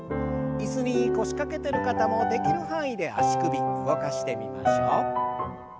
椅子に腰掛けてる方もできる範囲で足首動かしてみましょう。